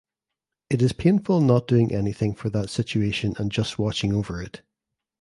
It is painful not doing anything for that situation and just watching over it.